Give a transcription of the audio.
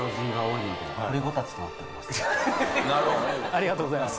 ありがとうございます。